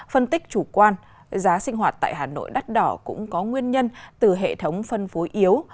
phân tích chủ quan giá sinh hoạt tại hà nội đắt đỏ cũng có nguyên nhân từ hệ thống phân phối yếu